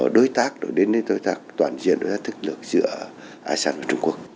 đối tác đổi đến đến đối tác toàn diện đối tác chất lượng giữa asean và trung quốc